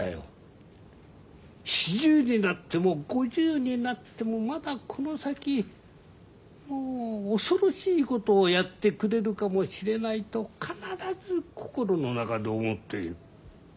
４０になっても５０になってもまだこの先恐ろしいことをやってくれるかもしれないと必ず心の中で思っている。